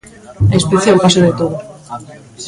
A inspección pasa de todo.